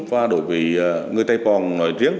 và đối với người tây pòng nói riêng